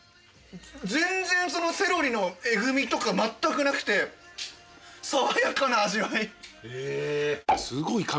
全然セロリのえぐみとかまったくなくて爽やかな味わい。